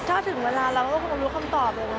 ถ้าถึงเวลาเราก็คงรู้คำตอบเลยนะ